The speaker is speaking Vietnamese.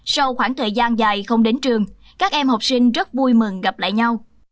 sau khoảng thời gian dài không đến trường các em học sinh rất vui mừng gặp lại nhau